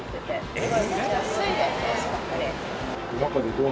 えっ？